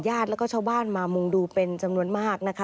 ญาติแล้วก็ชาวบ้านมามุงดูเป็นจำนวนมากนะคะ